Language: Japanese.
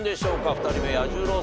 ２人目彌十郎さん